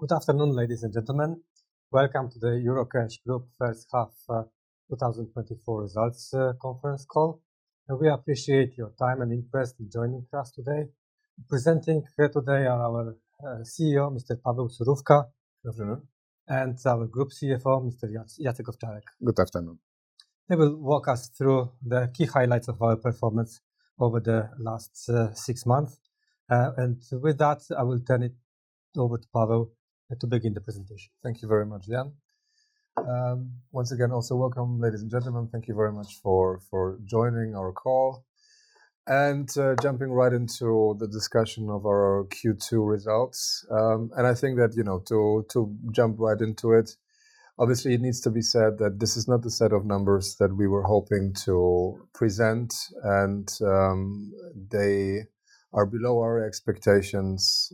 Good afternoon, ladies and gentlemen. Welcome to the Eurocash Group first half, 2024 results, conference call. We appreciate your time and interest in joining us today. Presenting here today are our CEO, Mr. Paweł Surówka. Good afternoon. Our Group CFO, Mr. Jacek Owczarek. Good afternoon. They will walk us through the key highlights of our performance over the last six months, and with that, I will turn it over to Paweł to begin the presentation. Thank you very much, Jan. Once again, also welcome, ladies and gentlemen. Thank you very much for joining our call and jumping right into the discussion of our Q2 results. And I think that, you know, to jump right into it, obviously, it needs to be said that this is not the set of numbers that we were hoping to present, and they are below our expectations,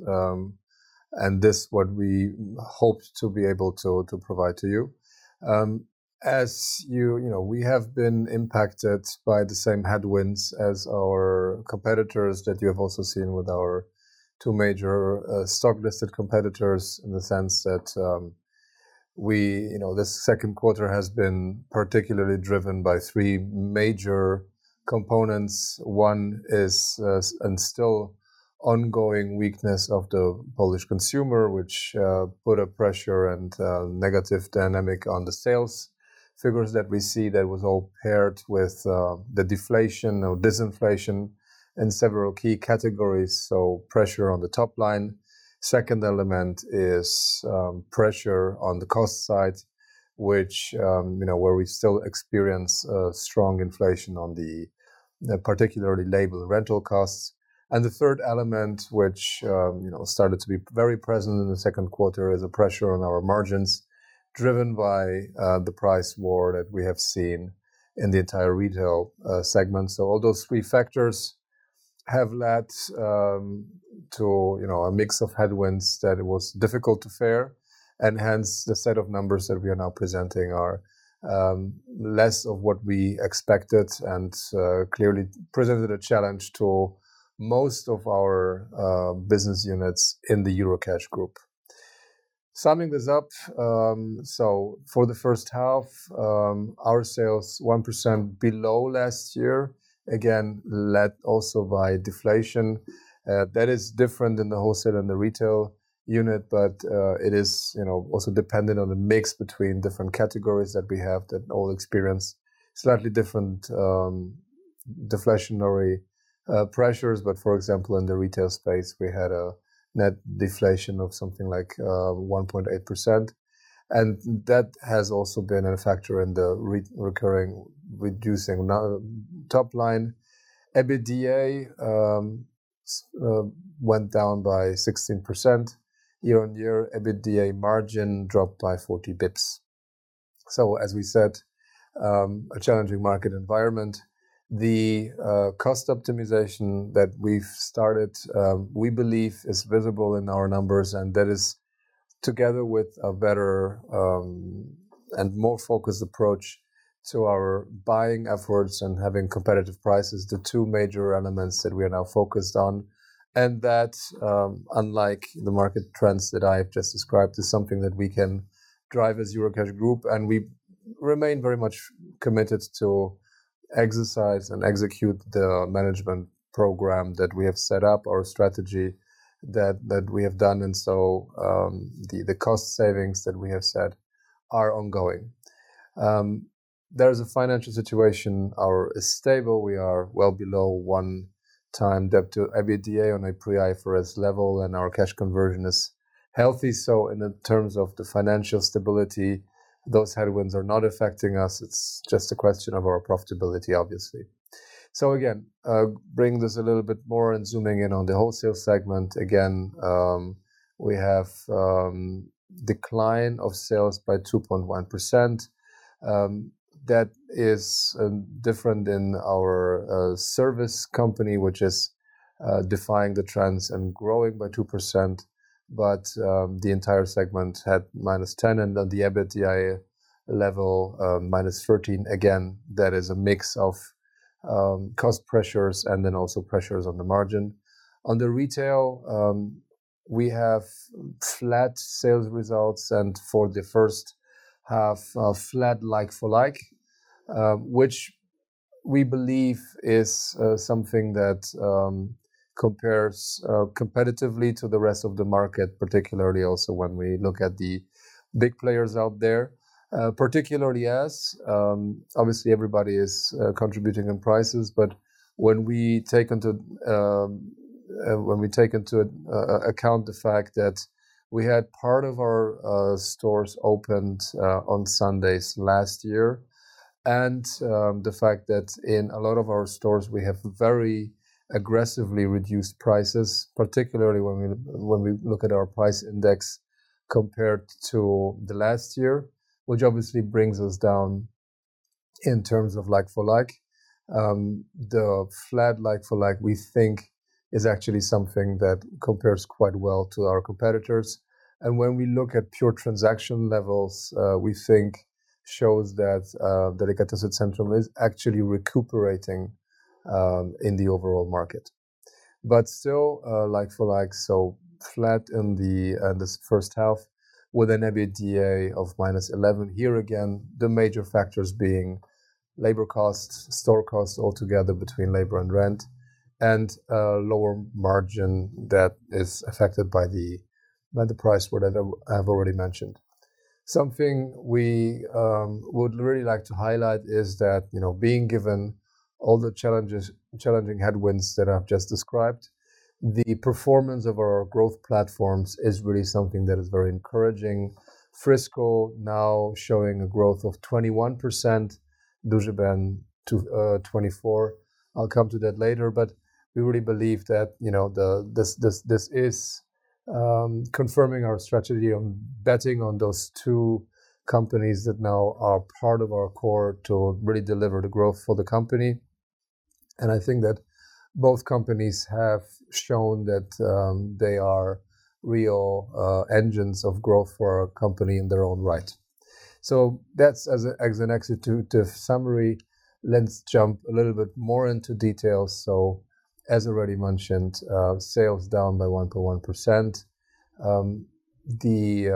and this what we hoped to be able to provide to you. As you know, we have been impacted by the same headwinds as our competitors that you have also seen with our two major stock-listed competitors, in the sense that, we, you know, this second quarter has been particularly driven by three major components. One is, and still ongoing weakness of the Polish consumer, which, put a pressure and, negative dynamic on the sales figures that we see. That was all paired with, the deflation or disinflation in several key categories, so pressure on the top line. Second element is, pressure on the cost side, which, you know, where we still experience, strong inflation on the, particularly labor rental costs. And the third element, which, you know, started to be very present in the second quarter, is a pressure on our margins, driven by, the price war that we have seen in the entire retail, segment. So all those three factors have led to, you know, a mix of headwinds that it was difficult to fare, and hence the set of numbers that we are now presenting are less of what we expected and clearly presented a challenge to most of our business units in the Eurocash Group. Summing this up, so for the first half our sales 1% below last year, again led also by deflation. That is different in the wholesale and the retail unit, but it is, you know, also dependent on the mix between different categories that we have that all experience slightly different deflationary pressures. But for example, in the retail space, we had a net deflation of something like 1.8%, and that has also been a factor in the recurring reducing our top line. EBITDA went down 16% year-on-year. EBITDA margin dropped by 40 basis points. As we said, a challenging market environment. The cost optimization that we've started, we believe is visible in our numbers, and that is together with a better and more focused approach to our buying efforts and having competitive prices, the two major elements that we are now focused on. That, unlike the market trends that I have just described, is something that we can drive as Eurocash Group, and we remain very much committed to exercise and execute the management program that we have set up, our strategy that we have done. The cost savings that we have said are ongoing. The financial situation is stable. We are well below one time debt to EBITDA on a pre-IFRS level, and our cash conversion is healthy. So in the terms of the financial stability, those headwinds are not affecting us. It's just a question of our profitability, obviously. So again, bringing this a little bit more and zooming in on the wholesale segment, again, we have decline of sales by 2.1%. That is different in our service company, which is defying the trends and growing by 2%. But the entire segment had -10%, and on the EBITDA level, -13%. Again, that is a mix of cost pressures and then also pressures on the margin. On the retail, we have flat sales results, and for the first half, a flat like-for-like, which we believe is something that compares competitively to the rest of the market, particularly also when we look at the big players out there. Particularly as, obviously everybody is contributing on prices, but when we take into account the fact that we had part of our stores opened on Sundays last year and the fact that in a lot of our stores, we have very aggressively reduced prices, particularly when we look at our price index compared to the last year, which obviously brings us down in terms of like-for-like. The flat like-for-like, we think is actually something that compares quite well to our competitors. When we look at pure transaction levels, we think shows that Delikatesy Centrum is actually recuperating in the overall market. But still, like for like, so flat in this first half with an EBITDA of -11. Here again, the major factors being labor costs, store costs altogether between labor and rent, and lower margin that is affected by the price war that I've already mentioned. Something we would really like to highlight is that, you know, being given all the challenges, challenging headwinds that I've just described, the performance of our growth platforms is really something that is very encouraging. Frisco now showing a growth of 21%, Duży Ben too 24%. I'll come to that later. But we really believe that, you know, this is confirming our strategy on betting on those two companies that now are part of our core to really deliver the growth for the company. And I think that both companies have shown that they are real engines of growth for our company in their own right. So that's as an executive summary. Let's jump a little bit more into details. So as already mentioned, sales down by 1.1%. The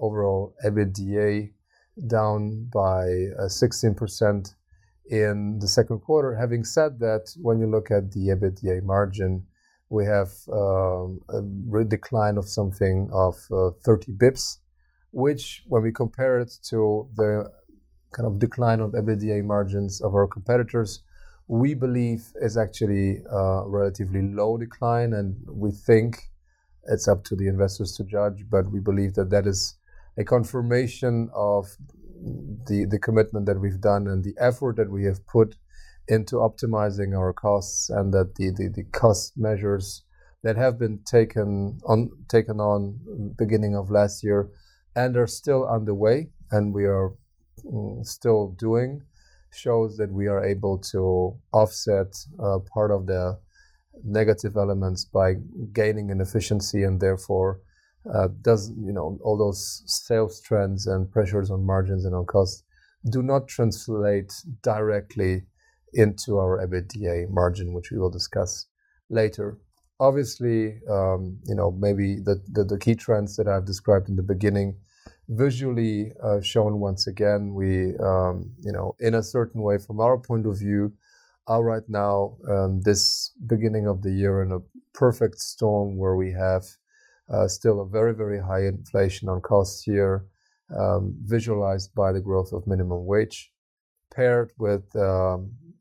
overall EBITDA down by 16% in the second quarter. Having said that, when you look at the EBITDA margin, we have a real decline of something of 30 basis points, which when we compare it to the kind of decline of EBITDA margins of our competitors, we believe is actually a relatively low decline, and we think it's up to the investors to judge. But we believe that that is a confirmation of the commitment that we've done and the effort that we have put into optimizing our costs, and that the cost measures that have been taken on beginning of last year and are still underway and we are still doing shows that we are able to offset part of the negative elements by gaining in efficiency and therefore does... You know, all those sales trends and pressures on margins and on costs do not translate directly into our EBITDA margin, which we will discuss later. Obviously, you know, maybe the key trends that I've described in the beginning, visually shown once again, we, you know, in a certain way from our point of view, are right now this beginning of the year in a perfect storm where we have still a very, very high inflation on costs here, visualized by the growth of minimum wage, paired with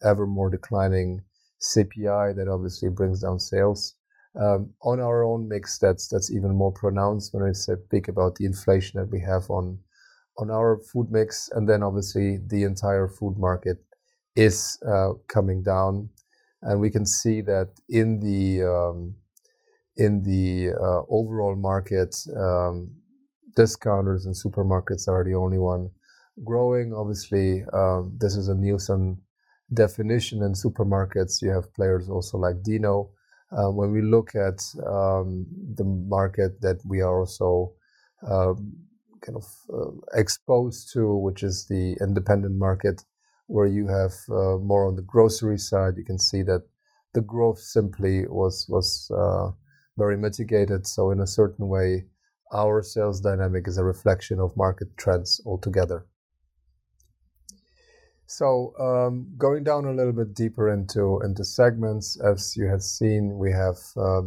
evermore declining CPI. That obviously brings down sales. On our own mix, that's even more pronounced when I speak about the inflation that we have on our food mix. Then obviously, the entire food market is coming down, and we can see that in the overall market. Discounters and supermarkets are the only one growing. Obviously, this is a Nielsen definition. In supermarkets, you have players also like Dino. When we look at the market that we are also kind of exposed to, which is the independent market, where you have more on the grocery side, you can see that the growth simply was very mitigated. So in a certain way, our sales dynamic is a reflection of market trends altogether. So, going down a little bit deeper into segments, as you have seen, we have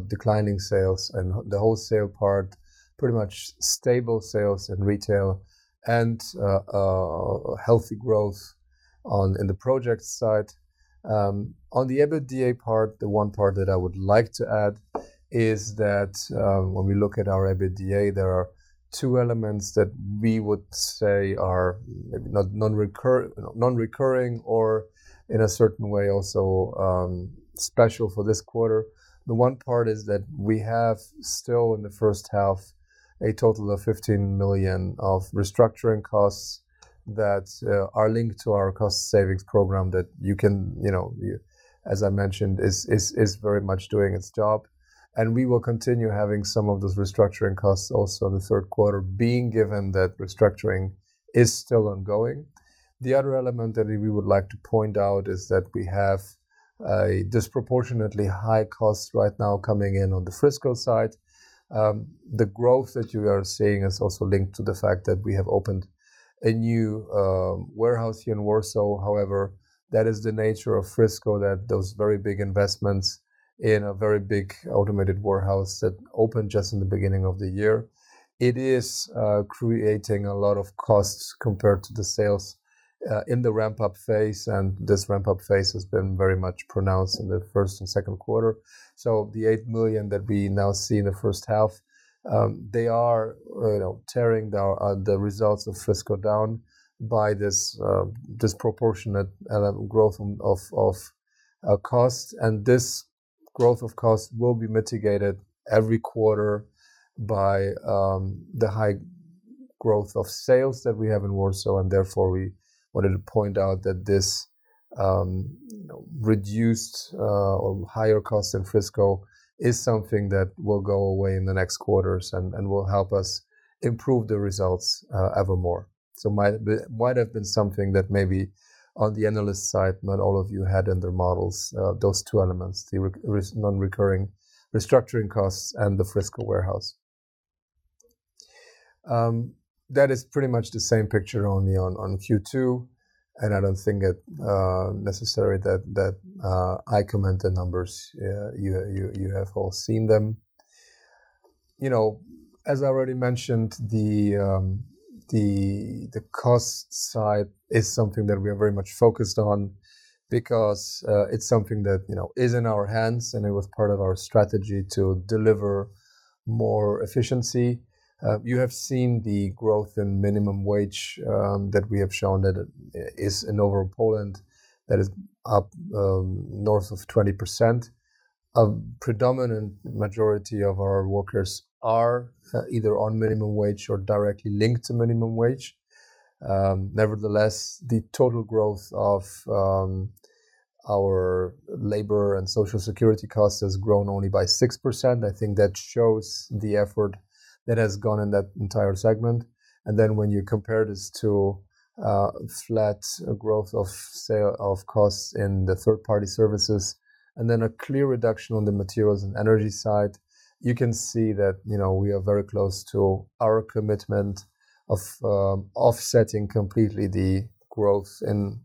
declining sales in the wholesale part, pretty much stable sales in retail, and healthy growth in the project side. On the EBITDA part, the one part that I would like to add is that, when we look at our EBITDA, there are two elements that we would say are maybe not non-recurring or in a certain way, also, special for this quarter. The one part is that we have still in the first half, a total of 15 million of restructuring costs that are linked to our cost savings program that you can, you know, as I mentioned, is very much doing its job, and we will continue having some of those restructuring costs also in the third quarter, being given that restructuring is still ongoing. The other element that we would like to point out is that we have a disproportionately high cost right now coming in on the Frisco side. The growth that you are seeing is also linked to the fact that we have opened a new warehouse here in Warsaw. However, that is the nature of Frisco, that those very big investments in a very big automated warehouse that opened just in the beginning of the year. It is creating a lot of costs compared to the sales in the ramp-up phase, and this ramp-up phase has been very much pronounced in the first and second quarter. So the 8 million that we now see in the first half, they are, you know, tearing down the results of Frisco down by this disproportionate element, growth of cost. And this growth of cost will be mitigated every quarter by the high growth of sales that we have in Warsaw. And therefore, we wanted to point out that this reduced or higher cost in Frisco is something that will go away in the next quarters and will help us improve the results even more. So might have been something that maybe on the analyst side, not all of you had in the models, those two elements: the non-recurring restructuring costs and the Frisco warehouse. That is pretty much the same picture only on Q2, and I don't think it necessary that I comment the numbers. You have all seen them. You know, as I already mentioned, the cost side is something that we are very much focused on because it's something that, you know, is in our hands, and it was part of our strategy to deliver more efficiency. You have seen the growth in minimum wage, that we have shown that it is in over Poland, that is up, north of 20%. A predominant majority of our workers are, either on minimum wage or directly linked to minimum wage. Nevertheless, the total growth of, our labor and social security costs has grown only by 6%. I think that shows the effort that has gone in that entire segment. Then when you compare this to flat growth of costs in the third-party services and then a clear reduction on the materials and energy side, you can see that, you know, we are very close to our commitment of offsetting completely the growth and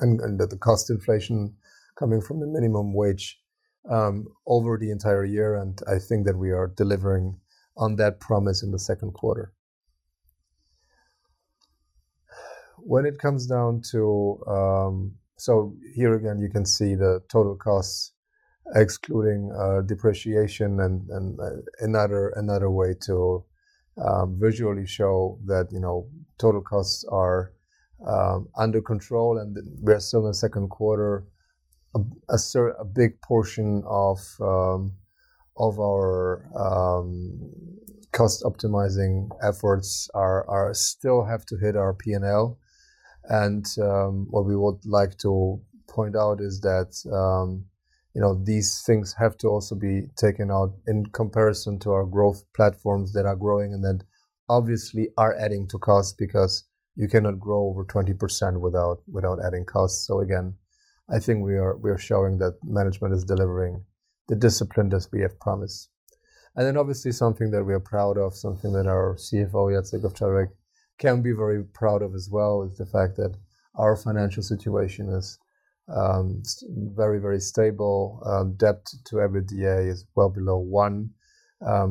the cost inflation coming from the minimum wage over the entire year, and I think that we are delivering on that promise in the second quarter. When it comes down to. So here again, you can see the total costs, excluding depreciation and another way to visually show that, you know, total costs are under control and we are still in the second quarter. A big portion of our cost-optimizing efforts are still have to hit our P&L. What we would like to point out is that, you know, these things have to also be taken out in comparison to our growth platforms that are growing and that obviously are adding to costs because you cannot grow over 20% without adding costs. Again, I think we are showing that management is delivering the discipline that we have promised. Then obviously, something that we are proud of, something that our CFO, Jacek Owczarek, can be very proud of as well, is the fact that our financial situation is very, very stable. Debt to EBITDA is well below one.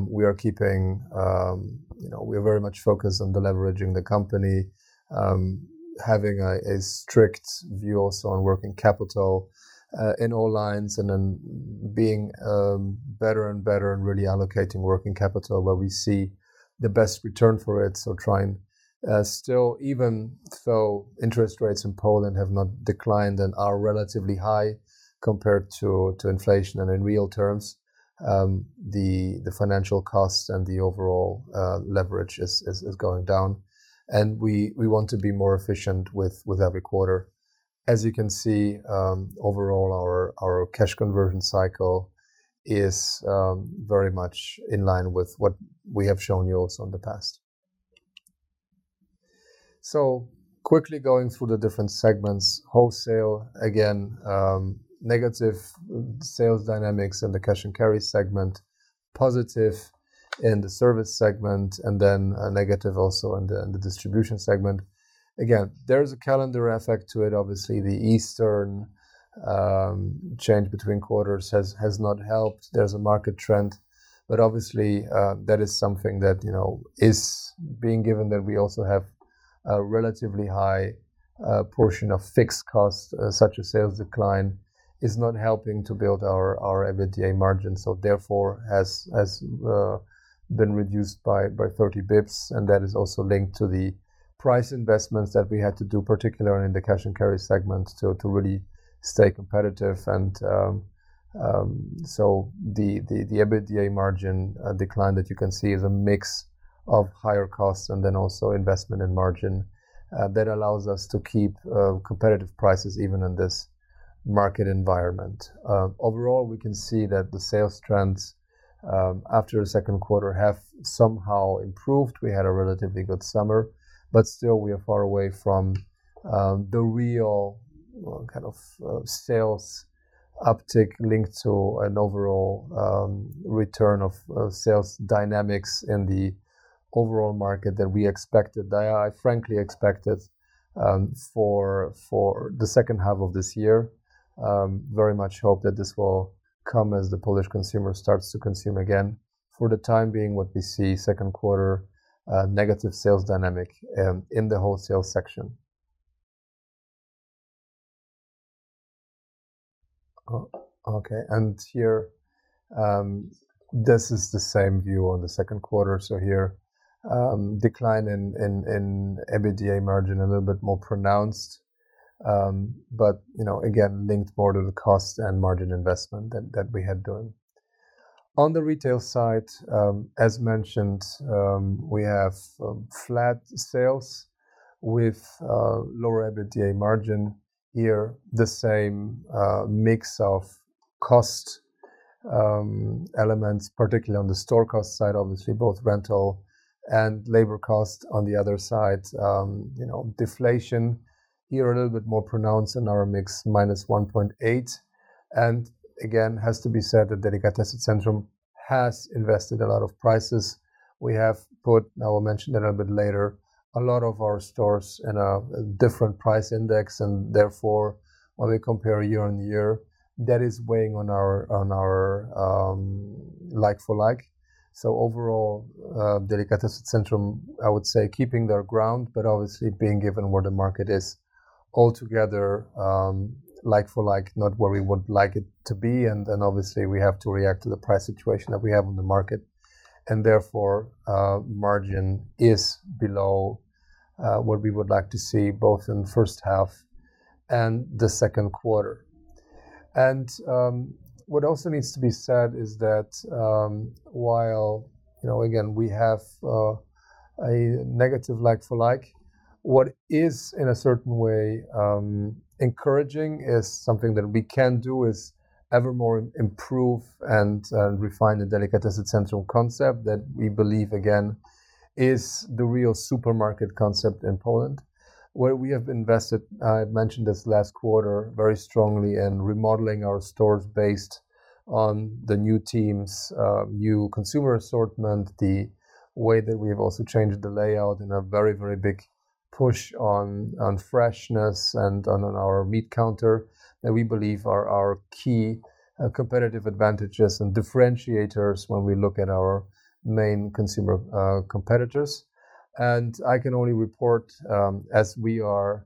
We are keeping... You know, we are very much focused on deleveraging the company, having a strict view also on working capital, in all lines and then being better and better and really allocating working capital where we see the best return for it. So trying still, even though interest rates in Poland have not declined and are relatively high compared to inflation and in real terms, the financial costs and the overall leverage is going down, and we want to be more efficient with every quarter. As you can see, overall, our cash conversion cycle is very much in line with what we have shown you also in the past. So quickly going through the different segments. Wholesale, again, negative sales dynamics in the cash-and-carry segment, positive in the service segment, and then, negative also in the distribution segment. Again, there is a calendar effect to it. Obviously, the Easter change between quarters has not helped. There's a market trend, but obviously, that is something that, you know, is being given, that we also have a relatively high portion of fixed costs. Such a sales decline is not helping to build our EBITDA margin, so therefore has been reduced by 30 basis points. And that is also linked to the price investments that we had to do, particularly in the cash-and-carry segment, to really stay competitive. So the EBITDA margin decline that you can see is a mix of higher costs and then also investment in margin that allows us to keep competitive prices even in this market environment. Overall, we can see that the sales trends after the second quarter have somehow improved. We had a relatively good summer, but still, we are far away from the real kind of sales uptick linked to an overall return of sales dynamics in the overall market that we expected. I frankly expected for the second half of this year, very much hope that this will come as the Polish consumer starts to consume again. For the time being, what we see, second quarter negative sales dynamic in the wholesale section. Oh, okay. And here, this is the same view on the second quarter. So here, decline in EBITDA margin a little bit more pronounced, but you know, again, linked more to the cost and margin investment that we had done. On the retail side, as mentioned, we have flat sales with lower EBITDA margin. Here, the same mix of cost elements, particularly on the store cost side, obviously, both rental and labor cost. On the other side, you know, deflation here a little bit more pronounced in our mix, minus one point eight. And again, has to be said that Delikatesy Centrum has invested a lot in prices. We have put, I will mention that a bit later, a lot of our stores in a different price index, and therefore, when we compare year-on-year, that is weighing on our like-for-like. So overall, Delikatesy Centrum, I would say, keeping their ground, but obviously being given where the market is altogether, like-for-like, not where we would like it to be. And then obviously we have to react to the price situation that we have on the market, and therefore, margin is below what we would like to see, both in the first half and the second quarter. And, what also needs to be said is that, while, you know, again, we have a negative like-for-like, what is in a certain way encouraging is something that we can do is evermore improve and refine the Delikatesy Centrum concept that we believe, again, is the real supermarket concept in Poland, where we have invested. I mentioned this last quarter very strongly in remodeling our stores based on the new teams', new consumer assortment, the way that we have also changed the layout in a very, very big push on freshness and on our meat counter, that we believe are our key competitive advantages and differentiators when we look at our main consumer competitors. I can only report as we are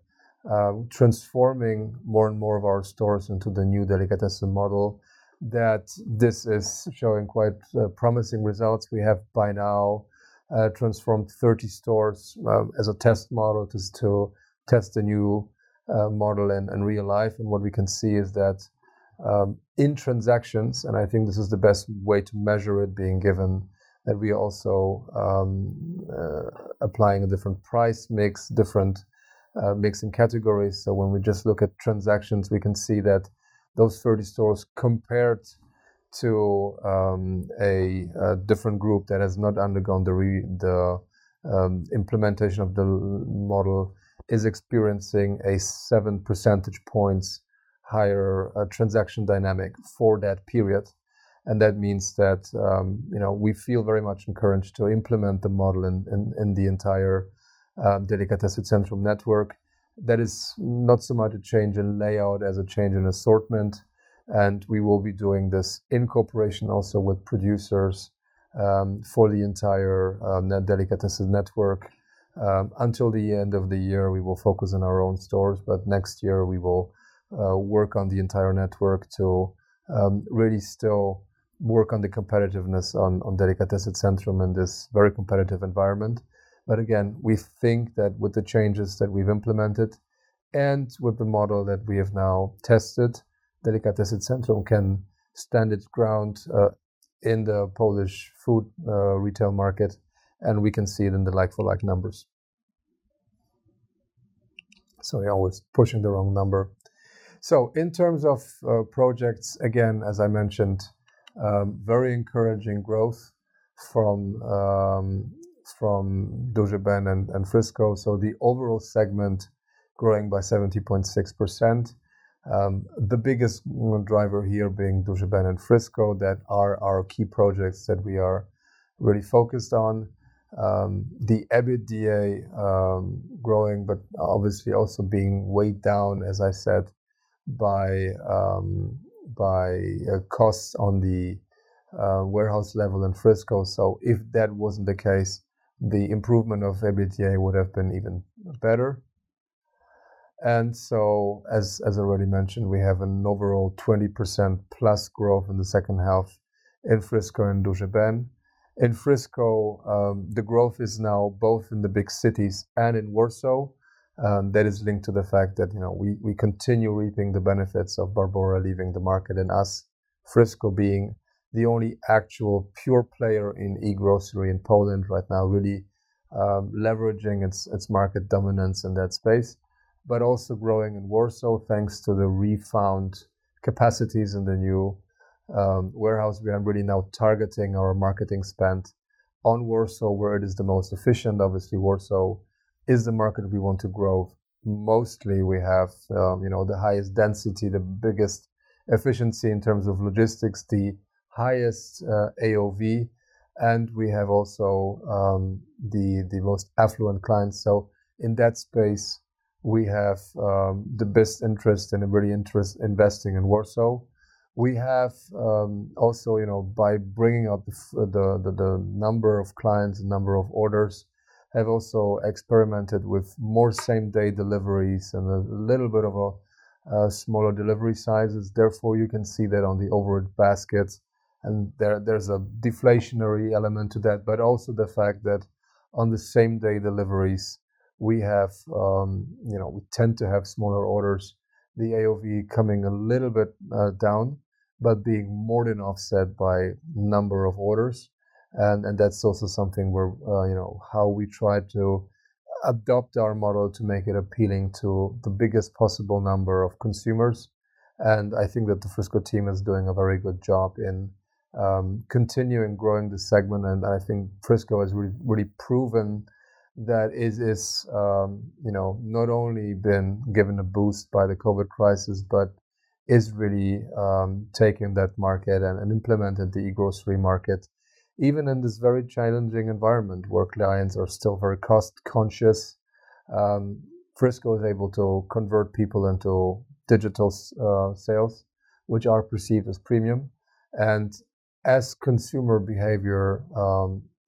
transforming more and more of our stores into the new Delikatesy model, that this is showing quite promising results. We have by now transformed 30 stores as a test model to still test the new model in real life. What we can see is that in transactions, and I think this is the best way to measure it, being given that we are also applying a different price mix, different mix and categories. When we just look at transactions, we can see that those 30 stores, compared to a different group that has not undergone the implementation of the model, is experiencing a seven percentage points higher transaction dynamic for that period. That means that, you know, we feel very much encouraged to implement the model in the entire Delikatesy Centrum network. That is not so much a change in layout as a change in assortment, and we will be doing this in cooperation also with producers for the entire Delikatesy network. Until the end of the year, we will focus on our own stores, but next year we will work on the entire network to really still work on the competitiveness on Delikatesy Centrum in this very competitive environment. But again, we think that with the changes that we've implemented and with the model that we have now tested, Delikatesy Centrum can stand its ground in the Polish food retail market, and we can see it in the like-for-like numbers. Sorry, I was pushing the wrong number. So in terms of projects, again, as I mentioned, very encouraging growth from Duży Ben and Frisco. The overall segment growing by 70.6%. The biggest driver here being Duży Ben and Frisco, that are our key projects that we are really focused on. The EBITDA growing, but obviously also being weighed down, as I said, by costs on the warehouse level in Frisco. So if that wasn't the case, the improvement of EBITDA would have been even better. As I already mentioned, we have an overall 20%+ growth in the second half in Frisco and Duży Ben. In Frisco, the growth is now both in the big cities and in Warsaw. That is linked to the fact that, you know, we continue reaping the benefits of Barbora leaving the market and us, Frisco, being the only actual pure player in e-grocery in Poland right now, really leveraging its market dominance in that space, but also growing in Warsaw, thanks to the newfound capacities in the new warehouse. We are really now targeting our marketing spend on Warsaw, where it is the most efficient. Obviously, Warsaw is the market we want to grow. Mostly, we have, you know, the highest density, the biggest efficiency in terms of logistics, the highest AOV, and we have also the most affluent clients. So in that space, we have the best interest and a real interest investing in Warsaw. We have also, you know, by bringing up the number of clients, the number of orders, have also experimented with more same-day deliveries and a little bit of a smaller delivery sizes. Therefore, you can see that on the overall baskets, and there's a deflationary element to that, but also the fact that on the same-day deliveries, we have, you know, we tend to have smaller orders, the AOV coming a little bit down, but being more than offset by number of orders. And that's also something where, you know, how we try to adapt our model to make it appealing to the biggest possible number of consumers.... And I think that the Frisco team is doing a very good job in continuing growing this segment, and I think Frisco has really proven that it is, you know, not only been given a boost by the COVID crisis, but is really taking that market and implemented the e-grocery market. Even in this very challenging environment, where clients are still very cost-conscious, Frisco is able to convert people into digital sales, which are perceived as premium. And as consumer behavior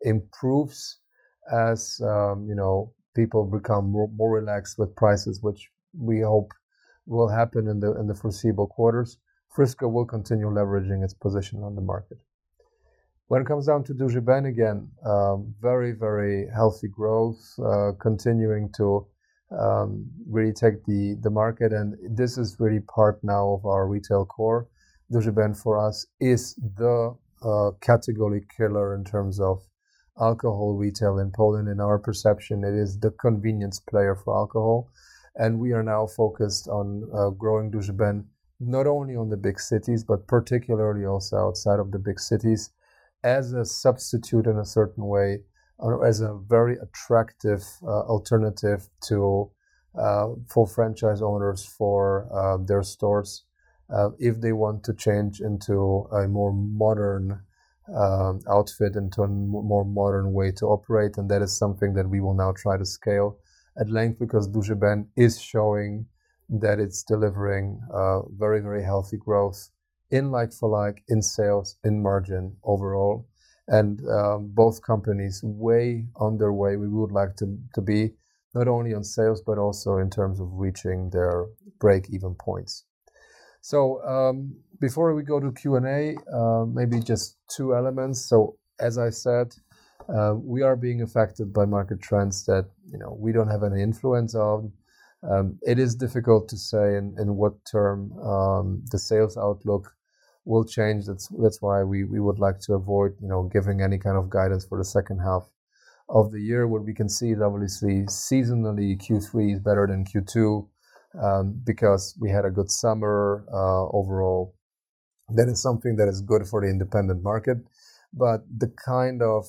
improves, as you know, people become more relaxed with prices, which we hope will happen in the foreseeable quarters, Frisco will continue leveraging its position on the market. When it comes down to Duży Ben again, very, very healthy growth, continuing to really take the market, and this is really part now of our retail core. Duży Ben, for us, is the category killer in terms of alcohol retail in Poland. In our perception, it is the convenience player for alcohol, and we are now focused on growing Duży Ben, not only on the big cities, but particularly also outside of the big cities, as a substitute in a certain way or as a very attractive alternative to for franchise owners for their stores, if they want to change into a more modern outfit, into a more modern way to operate, and that is something that we will now try to scale at length. Because Duży Ben is showing that it's delivering very, very healthy growth in like-for-like, in sales, in margin overall, and both companies are way on their way we would like to be, not only on sales, but also in terms of reaching their break-even points, so before we go to Q&A, maybe just two elements, so as I said, we are being affected by market trends that, you know, we don't have any influence on. It is difficult to say in what term the sales outlook will change. That's why we would like to avoid, you know, giving any kind of guidance for the second half of the year. What we can see, obviously, seasonally, Q3 is better than Q2, because we had a good summer. Overall, that is something that is good for the independent market, but the kind of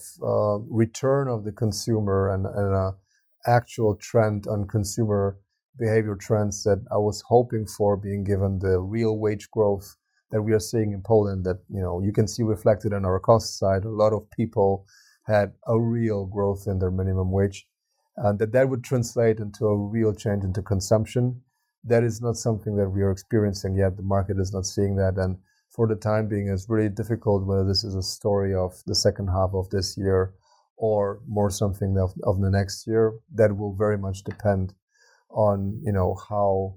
return of the consumer and actual trend on consumer behavior trends that I was hoping for, being given the real wage growth that we are seeing in Poland, that, you know, you can see reflected in our cost side. A lot of people had a real growth in their minimum wage, and that would translate into a real change into consumption. That is not something that we are experiencing yet. The market is not seeing that, and for the time being, it's very difficult whether this is a story of the second half of this year or more something of the next year. That will very much depend on, you know, how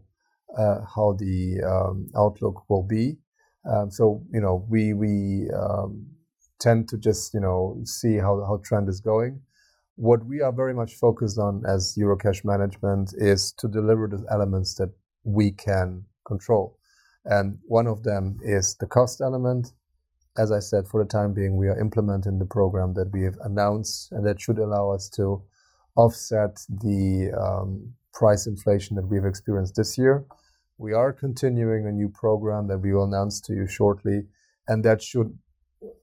the outlook will be. So, you know, we tend to just, you know, see how the trend is going. What we are very much focused on as Eurocash management is to deliver those elements that we can control, and one of them is the cost element. As I said, for the time being, we are implementing the program that we have announced, and that should allow us to offset the price inflation that we've experienced this year. We are continuing a new program that we will announce to you shortly, and that should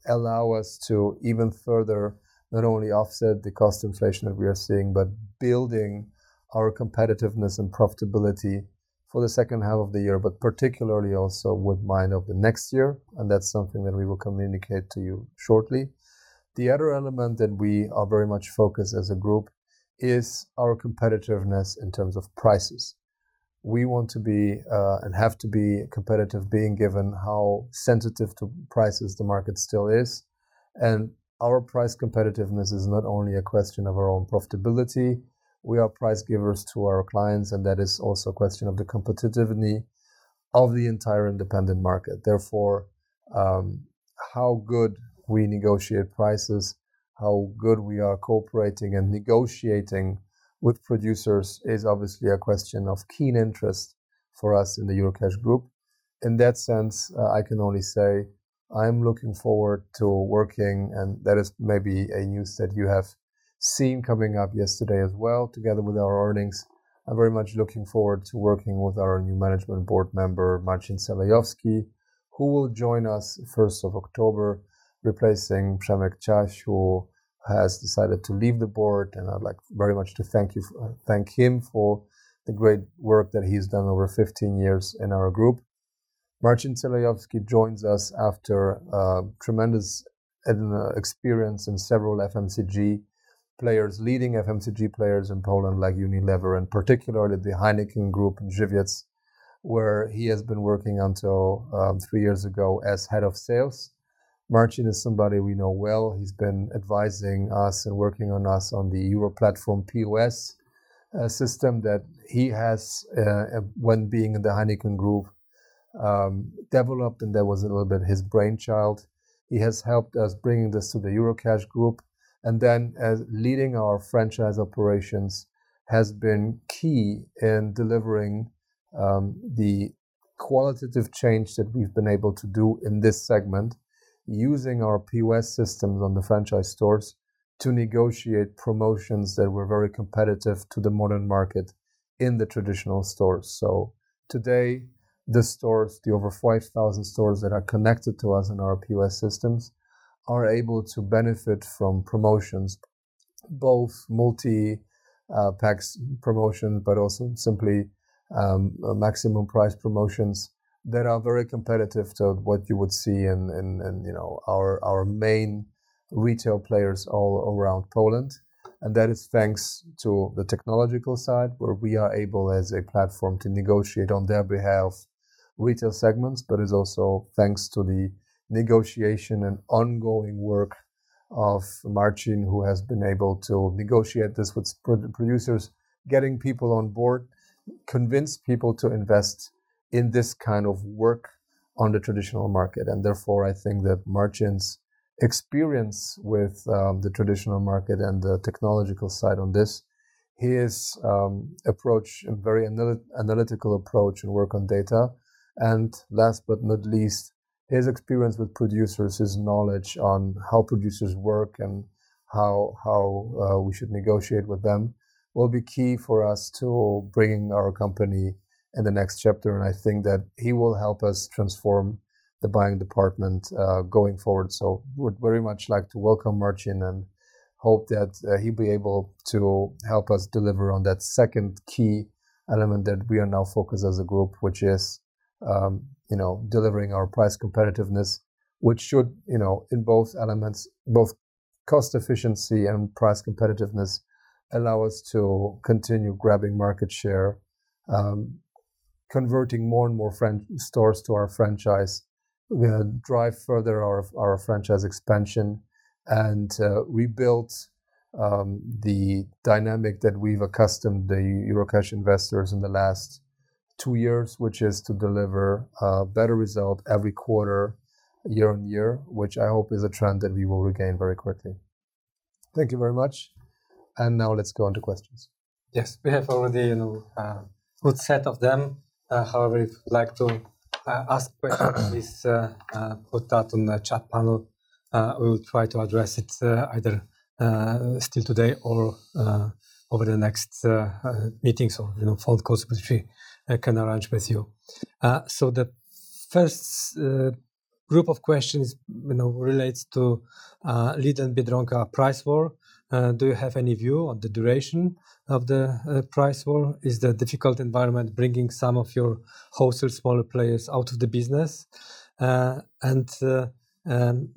allow us to even further not only offset the cost inflation that we are seeing, but building our competitiveness and profitability for the second half of the year, but particularly also with mind of the next year, and that's something that we will communicate to you shortly. The other element that we are very much focused as a group is our competitiveness in terms of prices. We want to be, and have to be competitive, being given how sensitive to prices the market still is, and our price competitiveness is not only a question of our own profitability, we are price givers to our clients, and that is also a question of the competitiveness of the entire independent market. Therefore, how good we negotiate prices, how good we are cooperating and negotiating with producers, is obviously a question of keen interest for us in the Eurocash Group. In that sense, I can only say I'm looking forward to working, and that is maybe a news that you have seen coming up yesterday as well, together with our earnings. I'm very much looking forward to working with our new management board member, Marcin Celejewski, who will join us first of October, replacing Przemek Ciaś, who has decided to leave the board, and I'd like very much to thank him for the great work that he's done over 15 years in our group. Marcin Celejewski joins us after tremendous and experience in several FMCG players, leading FMCG players in Poland, like Unilever and particularly the Heineken Group, Żywiec, where he has been working until three years ago as head of sales. Marcin is somebody we know well. He's been advising us and working on us on the EuroPlatform POS system that he has when being in the Heineken Group developed, and that was a little bit his brainchild. He has helped us bringing this to the Eurocash Group, and then as leading our franchise operations, has been key in delivering the qualitative change that we've been able to do in this segment, using our POS systems on the franchise stores to negotiate promotions that were very competitive to the modern market in the traditional stores. So today, the stores, the over 5,000 stores that are connected to us in our POS systems, are able to benefit from promotions, both multi packs promotion, but also simply maximum price promotions that are very competitive to what you would see in, you know, our main retail players all around Poland. That is thanks to the technological side, where we are able, as a platform, to negotiate on their behalf, retail segments, but it is also thanks to the negotiation and ongoing work of Marcin, who has been able to negotiate this with producers, getting people on board, convince people to invest in this kind of work on the traditional market. Therefore, I think that Marcin's experience with the traditional market and the technological side on this, his approach, a very analytical approach and work on data, and last but not least, his experience with producers, his knowledge on how producers work and how we should negotiate with them, will be key for us to bringing our company in the next chapter. I think that he will help us transform the buying department going forward. So we'd very much like to welcome Marcin and hope that he'll be able to help us deliver on that second key element that we are now focused as a group, which is, you know, delivering our price competitiveness, which should, you know, in both elements, both cost efficiency and price competitiveness, allow us to continue grabbing market share, converting more and more franchise stores to our franchise. We're gonna drive further our franchise expansion and rebuild the dynamic that we've accustomed the Eurocash investors in the last two years, which is to deliver a better result every quarter, year-on-year, which I hope is a trend that we will regain very quickly. Thank you very much. And now let's go on to questions. Yes, we have already, you know, good set of them. However, if you'd like to ask questions, put that in the chat panel. We will try to address it, either still today or over the next meetings or, you know, phone calls, which we can arrange with you. So the first group of questions, you know, relates to Lidl and Biedronka price war. Do you have any view on the duration of the price war? Is the difficult environment bringing some of your wholesale smaller players out of the business? And,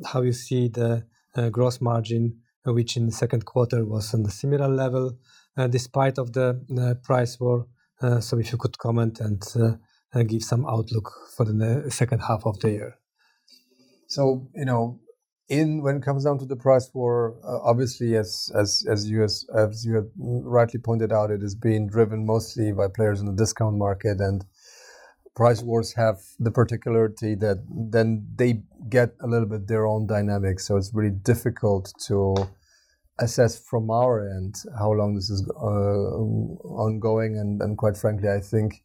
how you see the gross margin, which in the second quarter was on a similar level, despite of the price war. So if you could comment and give some outlook for the second half of the year. So, you know, when it comes down to the price war, obviously, as you have rightly pointed out, it is being driven mostly by players in the discount market, and price wars have the particularity that then they get a little bit their own dynamics. So it's very difficult to assess from our end how long this is ongoing, and quite frankly, I think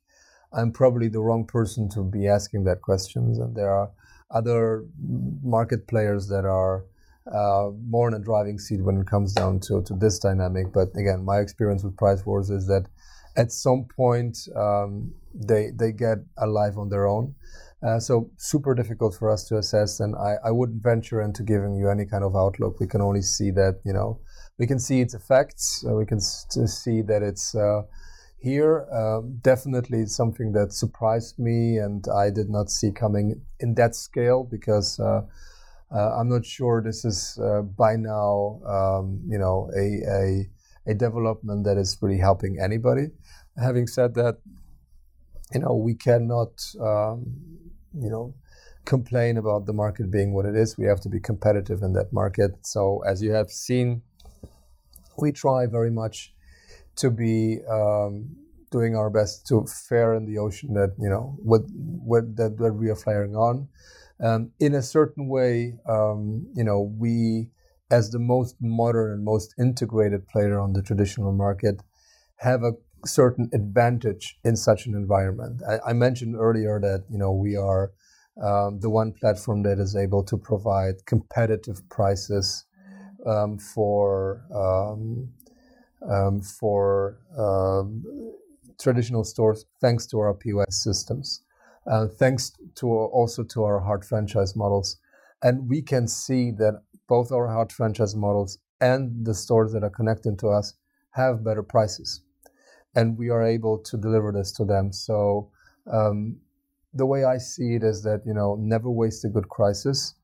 I'm probably the wrong person to be asking that question. There are other market players that are more in the driving seat when it comes down to this dynamic. But again, my experience with price wars is that at some point, they get a life on their own. So super difficult for us to assess, and I wouldn't venture into giving you any kind of outlook. We can only see that, you know. We can see its effects, we can see that it's here. Definitely something that surprised me, and I did not see coming in that scale because I'm not sure this is, by now, you know, a development that is really helping anybody. Having said that, you know, we cannot, you know, complain about the market being what it is. We have to be competitive in that market. So as you have seen, we try very much to be doing our best to fare in the ocean that, you know, that we are faring on. In a certain way, you know, we, as the most modern, most integrated player on the traditional market, have a certain advantage in such an environment. I mentioned earlier that, you know, we are the one platform that is able to provide competitive prices for traditional stores, thanks to our POS systems, thanks to also to our hard franchise models. And we can see that both our hard franchise models and the stores that are connecting to us have better prices, and we are able to deliver this to them. So, the way I see it is that, you know, never waste a good crisis.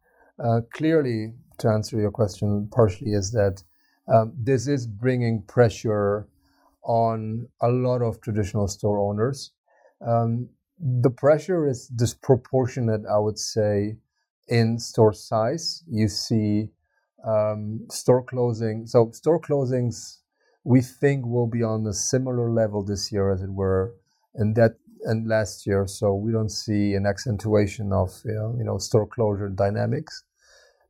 Clearly, to answer your question partially, is that this is bringing pressure on a lot of traditional store owners. The pressure is disproportionate, I would say, in store size. You see, store closing. So store closings, we think, will be on a similar level this year as it were, and last year. So we don't see an accentuation of, you know, store closure dynamics.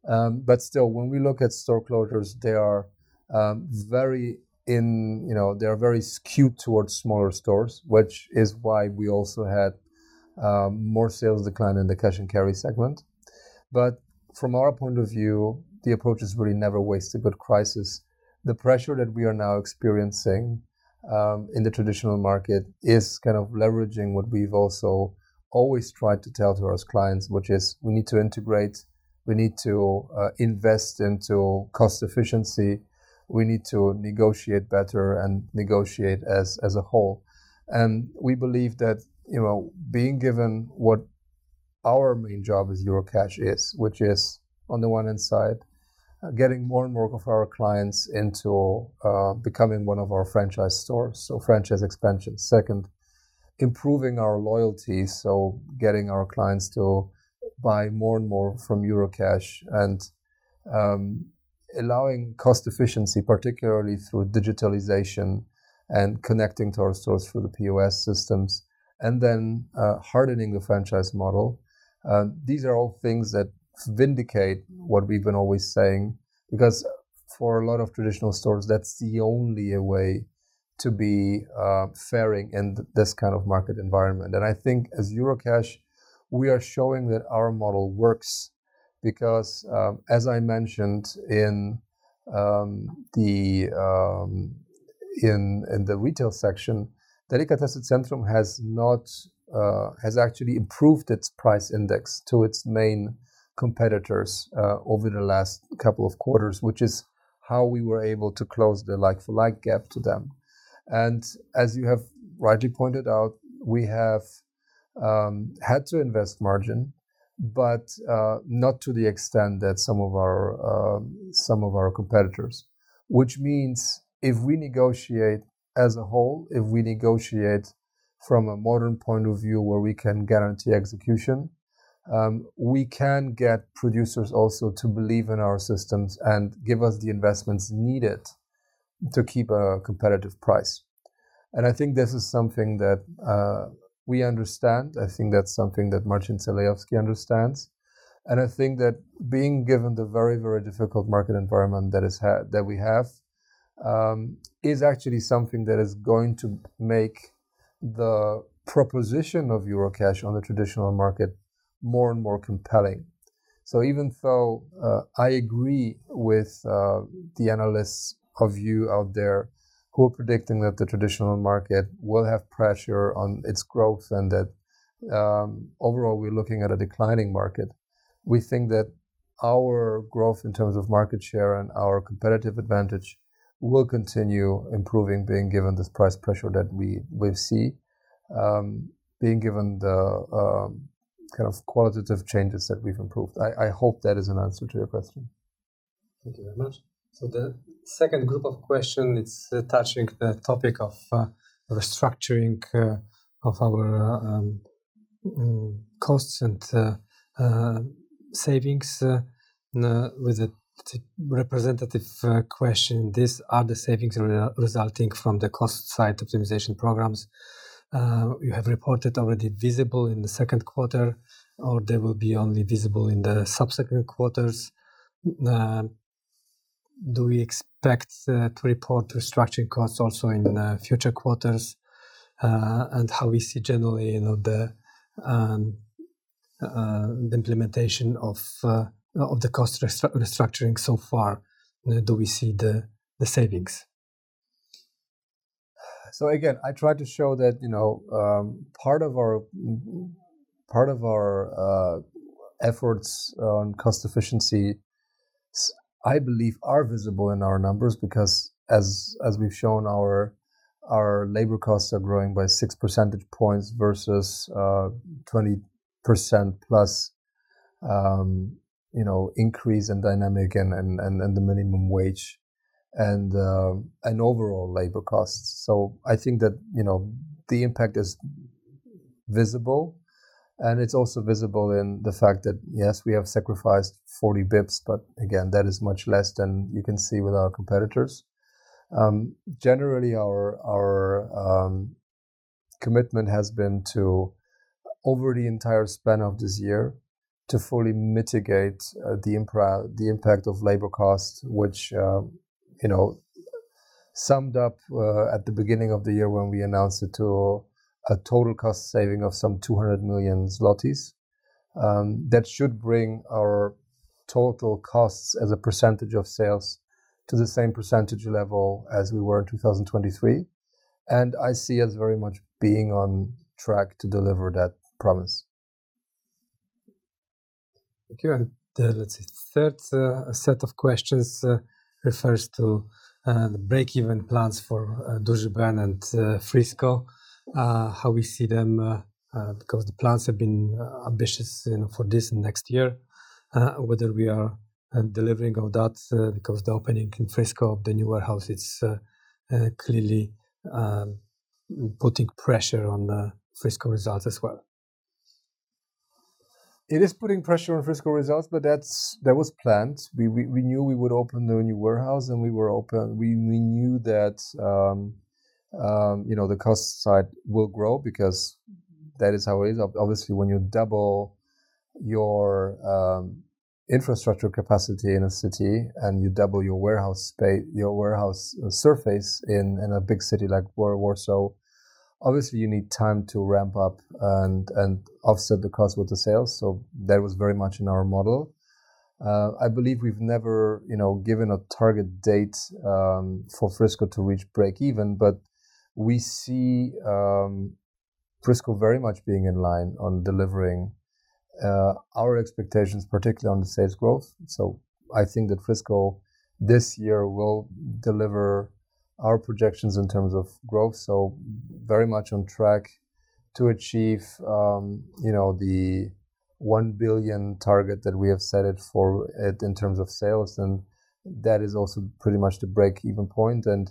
But still, when we look at store closures, they are very intense, you know. They are very skewed towards smaller stores, which is why we also had more sales decline in the cash and carry segment. But from our point of view, the approach is really never waste a good crisis. The pressure that we are now experiencing in the traditional market is kind of leveraging what we've also always tried to tell to our clients, which is we need to integrate. We need to invest into cost efficiency. We need to negotiate better and negotiate as a whole. And we believe that, you know, being given what our main job as Eurocash is, which is, on the one hand side, getting more and more of our clients into becoming one of our franchise stores, so franchise expansion. Second, improving our loyalty, so getting our clients to buy more and more from Eurocash and allowing cost efficiency, particularly through digitalization and connecting to our stores through the POS systems, and then hardening the franchise model. These are all things that vindicate what we've been always saying, because for a lot of traditional stores, that's the only way to be faring in this kind of market environment. And I think as Eurocash, we are showing that our model works because, as I mentioned in the retail section, Delikatesy Centrum has not... Has actually improved its price index to its main competitors over the last couple of quarters, which is how we were able to close the like-for-like gap to them. And as you have rightly pointed out, we have had to invest margin, but not to the extent that some of our competitors. Which means if we negotiate as a whole, if we negotiate from a modern point of view where we can guarantee execution, we can get producers also to believe in our systems and give us the investments needed to keep a competitive price. And I think this is something that we understand. I think that's something that Marcin Celejewski understands, and I think that being given the very, very difficult market environment that we have is actually something that is going to make the proposition of Eurocash on the traditional market more and more compelling. So even though I agree with the analysts of you out there who are predicting that the traditional market will have pressure on its growth and that overall, we're looking at a declining market, we think that our growth in terms of market share and our competitive advantage will continue improving, being given this price pressure that we see, being given the kind of qualitative changes that we've improved. I hope that is an answer to your question. Thank you very much. So the second group of question is touching the topic of restructuring of our costs and savings with a representative question. These are the savings resulting from the cost side optimization programs. You have reported already visible in the second quarter, or they will be only visible in the subsequent quarters. Do we expect to report restructuring costs also in future quarters? And how we see generally, you know, the implementation of the cost restructuring so far, where do we see the savings? So again, I tried to show that, you know, part of our efforts on cost efficiency, I believe, are visible in our numbers because as we've shown, our labor costs are growing by six percentage points versus 20%+, you know, increase in dynamics and the minimum wage and overall labor costs. So I think that, you know, the impact is visible, and it's also visible in the fact that, yes, we have sacrificed 40 basis points, but again, that is much less than you can see with our competitors. Generally, our commitment has been to, over the entire span of this year, to fully mitigate the impact of labor costs, which, you know, summed up at the beginning of the year when we announced it to a total cost saving of some 200 million zlotys. That should bring our total costs as a percentage of sales to the same percentage level as we were in 2023, and I see us very much being on track to deliver that promise. Thank you. Let's see. Third set of questions refers to the break-even plans for Duży Ben and Frisco. How we see them because the plans have been ambitious, you know, for this and next year. Whether we are delivering on that because the opening in Frisco, the new warehouse, is clearly putting pressure on the Frisco results as well. It is putting pressure on Frisco results, but that's... that was planned. We knew we would open the new warehouse, and we knew that, you know, the cost side will grow because that is how it is. Obviously, when you double your infrastructure capacity in a city, and you double your warehouse surface in a big city like Warsaw, obviously, you need time to ramp up and offset the cost with the sales, so that was very much in our model. I believe we've never, you know, given a target date for Frisco to reach break even, but we see Frisco very much being in line on delivering our expectations, particularly on the sales growth. So I think that Frisco, this year, will deliver our projections in terms of growth, so very much on track to achieve, you know, the one billion target that we have set it for, in terms of sales, and that is also pretty much the break-even point. And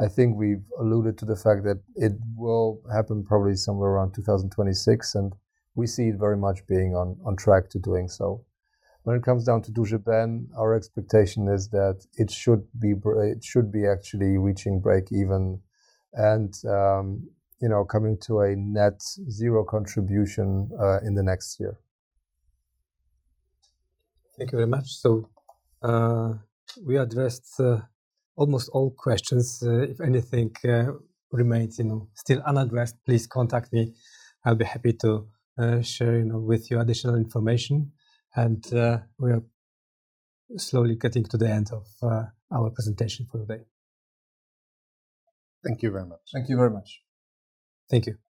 I think we've alluded to the fact that it will happen probably somewhere around 2026, and we see it very much being on track to doing so. When it comes down to Duży Ben, our expectation is that it should be actually reaching break even and, you know, coming to a net zero contribution, in the next year. Thank you very much. So, we addressed almost all questions. If anything remains, you know, still unaddressed, please contact me. I'll be happy to share, you know, with you additional information, and we are slowly getting to the end of our presentation for today. Thank you very much. Thank you very much. Thank you.